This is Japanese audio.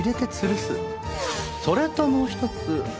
それともう一つ。